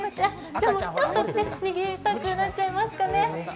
でもちょっと逃げたくなっちゃいますかね。